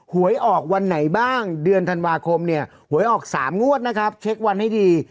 หวยออกวันไหนบ้างเดือนธันวาคมเนี่ยหวยออก๓งวดนะครับเช็ควันให้ดี